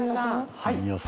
はい。